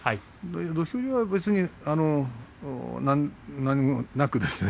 土俵入りは別に何もなくですね。